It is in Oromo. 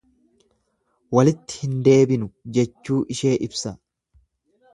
Walitti hin deebinu jechuu ishee ibsa.